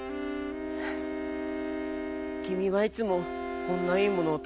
「きみはいつもこんないいものをたべているんだね。